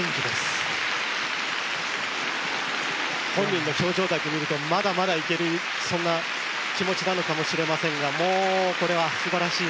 本人の表情だけ見るとまだまだいけるそんな気持ちなのかもしれませんがもうこれは素晴らしい。